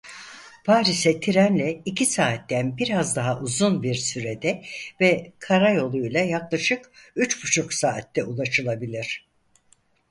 Paris'e trenle iki saatten biraz daha uzun bir sürede ve karayoluyla yaklaşık üç buçuk saatte ulaşılabilir.